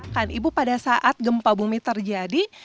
kan ibu pada saat gempa bumi terjadi